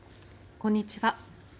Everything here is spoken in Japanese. こんにちは。